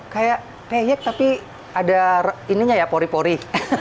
kayak keyek tapi ada ininya ya pori pori